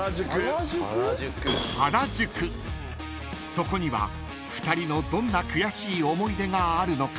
［そこには２人のどんな悔しい思い出があるのか？］